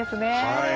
はい。